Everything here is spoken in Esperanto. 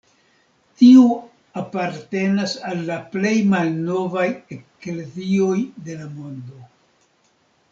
Tiu apartenas al la plej malnovaj eklezioj de la mondo.